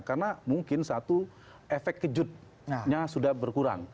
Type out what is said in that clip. karena mungkin satu efek kejutnya sudah berkurang